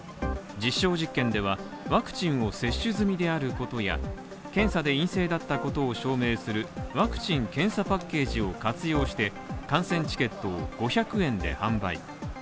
実証実験では、ワクチンを接種済みであることや、検査で陰性だったことを証明するワクチン・検査パッケージを活用して観戦チケットを５００円で販売。